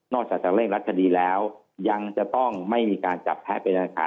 นอกจากเร่งรัฐคดีแล้วยังจะต้องไม่มีการจับแพ้ไปแล้วค่ะ